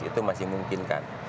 itu masih memungkinkan